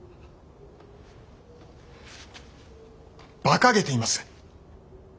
ばかげています。